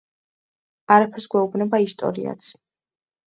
არაფერს გვეუბნება ისტორიაც.